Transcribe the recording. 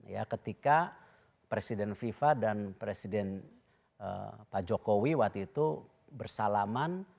ya ketika presiden fifa dan presiden pak jokowi waktu itu bersalaman